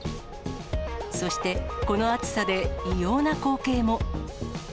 そして、この暑さで異様な光景も。